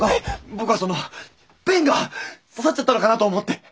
僕はそのペンが刺さっちゃったのかなと思って！